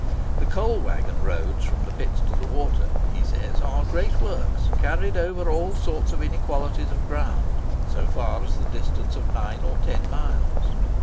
"The coal waggon roads from the pits to the water," he says, "are great works, carried over all sorts of inequalities of ground, so far as the distance of nine or ten miles.